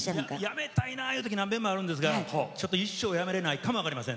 やめたいないう時なんべんもあるんですが一生やめれないかも分かりません。